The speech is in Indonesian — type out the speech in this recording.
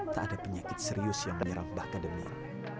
tak ada penyakit serius yang menyerang mbah kademin